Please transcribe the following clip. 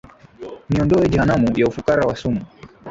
Niondoe jehanamu, ya ufukara wa sumu,